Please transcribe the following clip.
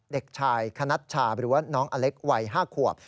เด็กชายคณัชชาหรือว่าน้องอเล็กวัย๕ขวบ